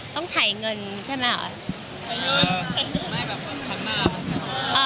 ต้องถ่ายเงินใช่ไหม